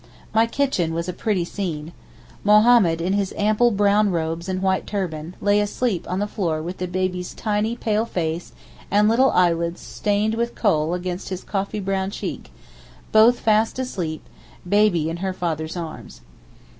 My kitchen was a pretty scene. Mohammed, in his ample brown robes and white turban, lay asleep on the floor with the baby's tiny pale face and little eyelids stained with kohl against his coffee brown cheek, both fast asleep, baby in her father's arms.